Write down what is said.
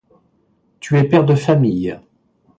Tu es père de famille.